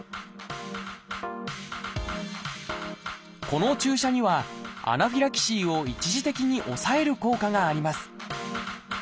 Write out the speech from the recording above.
この注射にはアナフィラキシーを一時的に抑える効果があります。